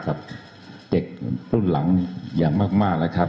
กับเด็กรุ่นหลังอย่างมากนะครับ